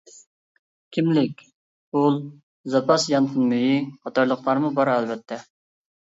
كىملىك، پۇل، زاپاس يانفون مېيى قاتارلىقلارمۇ بار ئەلۋەتتە.